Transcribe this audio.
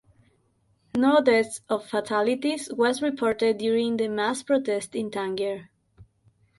No deaths of fatalities was reported during the mass protests in Tangier.